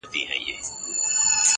نوي نوي تختې غواړي کنې یاره ,